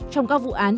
trong các vụ án